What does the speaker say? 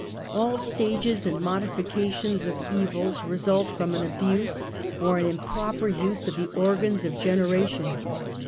All stages and modifications of evils result from an abuse, or an improper use of the organs of generation.